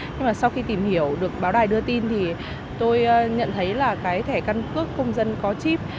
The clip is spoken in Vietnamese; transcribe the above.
nhưng mà sau khi tìm hiểu được báo đài đưa tin thì tôi nhận thấy là cái thẻ căn cước công dân có chip